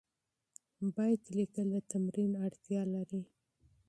شعر لیکل د تمرین اړتیا لري.